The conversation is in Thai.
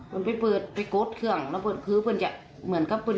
พุนไปเปิดไปกดเครื่องแล้วพุนคือเหมือนกับพุน